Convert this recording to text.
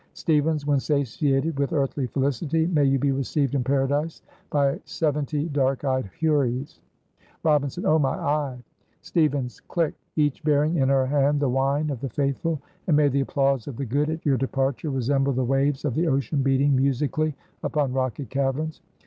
Stevens. "When satiated with earthly felicity, may you be received in paradise by seventy dark eyed houris '" Robinson. "Oh! my eye!" Stevens. "Click! 'Each bearing in her hand the wine of the faithful; and may the applause of the good at your departure resemble the waves of the ocean beating musically upon rocky caverns.